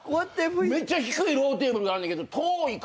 めっちゃ低いローテーブルあんねんけど遠いからさ